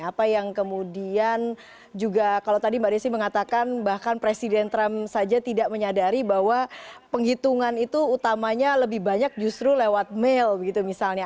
apa yang kemudian juga kalau tadi mbak desi mengatakan bahkan presiden trump saja tidak menyadari bahwa penghitungan itu utamanya lebih banyak justru lewat mail gitu misalnya